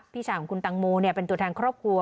พี่ชายของคุณตังโมเป็นตัวแทนครอบครัว